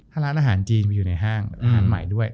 ถ้าร้านอาหารจีนอยู่ในห้างอาหารใหม่ด้วย